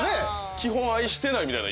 基本愛してないみたいな言い方。